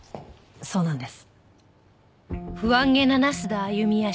そうなんです。